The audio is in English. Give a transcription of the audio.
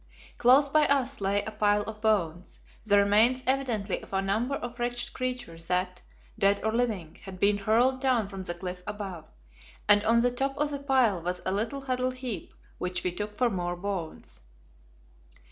Close by us lay a pile of bones, the remains evidently of a number of wretched creatures that, dead or living, had been hurled down from the cliff above, and on the top of the pile was a little huddled heap, which we took for more bones.